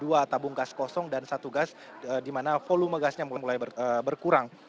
dua tabung gas kosong dan satu gas di mana volume gasnya mulai berkurang